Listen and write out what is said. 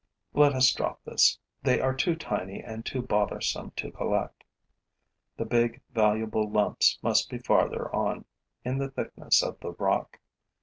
Let us drop this: they are too tiny and too bothersome to collect. The big, valuable lumps must be farther on, in the thickness of the rock.